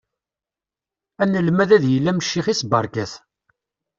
Anelmad ad yili am ccix-is, beṛka-t.